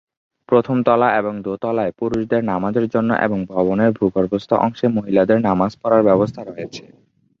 প্রথম তলা এবং দোতলায় পুরুষদের নামাজের জন্য এবং ভবনের ভূগর্ভস্থ অংশে মহিলাদের নামাজ পড়ার ব্যবস্থা রয়েছে।